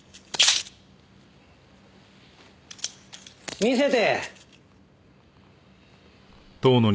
見せて。